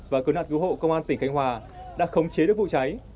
và cứu nạn cứu hộ công an tỉnh khánh hòa đã khống chế được vụ cháy